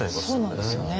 そうなんですよね。